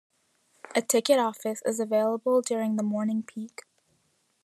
A ticket office is available during the morning peak.